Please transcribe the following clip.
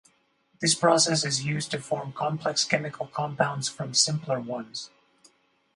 This process is used to form complex chemical compounds from simpler ones.